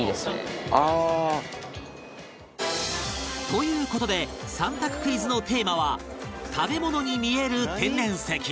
という事で３択クイズのテーマは食べ物に見える天然石